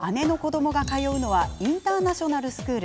姉の子どもが通うのはインターナショナルスクール。